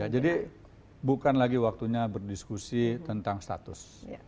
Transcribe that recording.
jadi bukan lagi waktunya berdiskusi tentang status